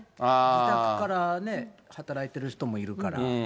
自宅から働いている人もいるから。